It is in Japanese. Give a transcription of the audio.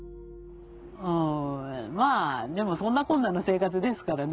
うんまあでもそんなこんなな生活ですからね